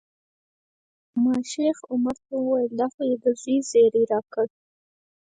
ما شیخ عمر ته وویل دا خو دې د زوی زیری راکړ.